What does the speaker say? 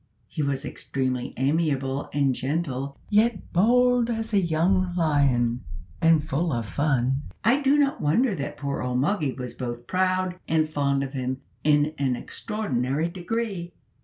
He was extremely amiable and gentle, yet bold as a young lion, and full of fun. I do not wonder that poor old Moggy was both proud and fond of him in an extraordinary degree.